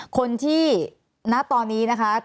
คนที่ณตอนนี้นะคะ